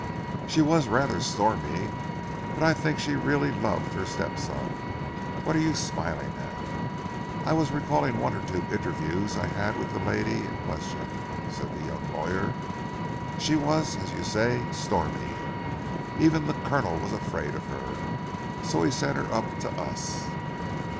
"She was rather stormy, but I think she really loved her step son. What are you smiling at?" "I was recalling one or two interviews I had with the lady in question," said the young lawyer. "She was, as you say, stormy. Even the Colonel was afraid of her, so he sent her up to us."